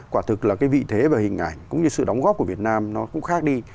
quả thực là cái vị thế và hình ảnh cũng như sự đóng góp của việt nam nó cũng khác đi